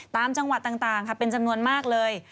ตามจังหวัดต่างค่ะเป็นจำนวนมากเลย